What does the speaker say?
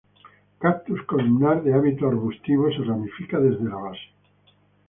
Cactus columnar de hábito arbustivo, se ramifica desde la base.